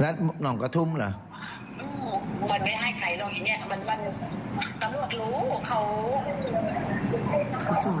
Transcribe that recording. แล้วน้องกระทุ่มเหรอ